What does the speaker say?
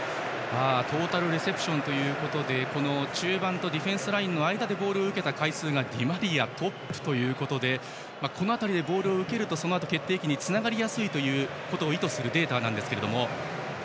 トータルレセプション中盤とディフェンスラインの間でボールを受けた回数がディマリアがトップということでこの辺りでボールを受けるとそのあと決定機につながりやすいということを意図するデータですが。